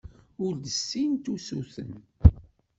Ur d-ssint usuten.